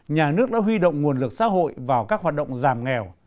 nhà nước đã huy động nguồn lực xã hội vào các hoạt động giảm nghèo